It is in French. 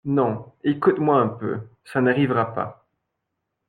Non, écoute-moi un peu. Ça n’arrivera pas.